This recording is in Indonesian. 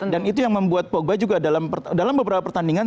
dan itu yang membuat pogba juga dalam beberapa pertandingan